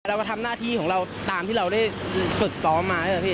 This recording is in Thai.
เรามาทำหน้าที่ของเราตามที่เราได้ฝึกซ้อมมาใช่ไหมพี่